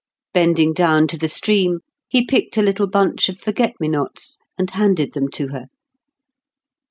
Bending down to the stream he picked a little bunch of forget me nots, and handed them to her.